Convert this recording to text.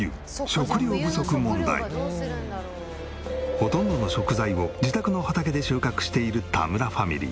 ほとんどの食材を自宅の畑で収穫している田村ファミリー。